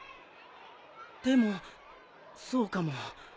でもそうかも。